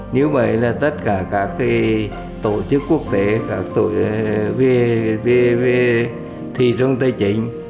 như vậy là tất cả các tổ chức quốc tế các tổ chức vvv thị trường tây chính